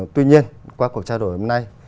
tuy nhiên qua cuộc trao đổi hôm nay